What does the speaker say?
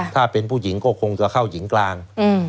ถ้าเป็นผู้หญิงก็คงจะเข้าหญิงกลาง